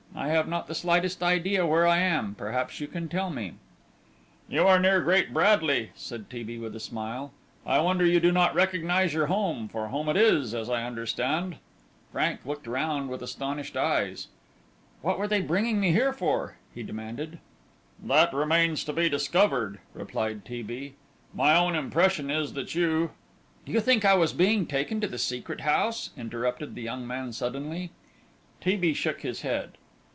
"I have not the slightest idea where I am; perhaps you can tell me?" "You are near Great Bradley," said T. B., with a smile. "I wonder you do not recognize your home; for home it is, as I understand." Frank looked round with astonished eyes. "What were they bringing me here for?" he demanded. "That remains to be discovered," replied T. B.; "my own impression is that you " "Do you think I was being taken to the Secret House?" interrupted the young man, suddenly. T. B. shook his head.